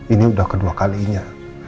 ini udah kedua kalinya